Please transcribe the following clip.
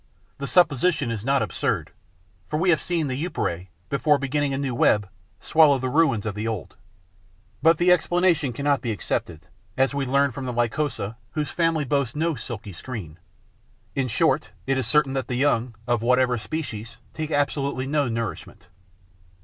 The supposition is not absurd, for we have seen the Epeirae, before beginning a new web, swallow the ruins of the old. But the explanation cannot be accepted, as we learn from the Lycosa, whose family boasts no silky screen. In short, it is certain that the young, of whatever species, take absolutely no nourishment.